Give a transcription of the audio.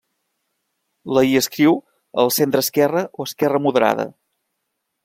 La hi adscriu al centreesquerra o esquerra moderada.